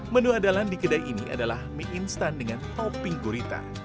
menu andalan di kedai ini adalah mie instan dengan topping gurita